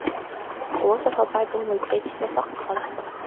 وَوَصَفَ بَعْضُهُمْ الْكَاتِبَ فَقَالَ